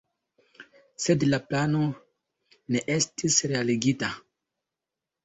Sed la plano ne estis realigita.